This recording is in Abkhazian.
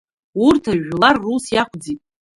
Урҭ жәлар рус иақәӡит.